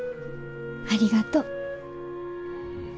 ありがとう。